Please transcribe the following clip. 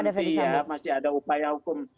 ya itu kan nanti ya masih ada upaya hukum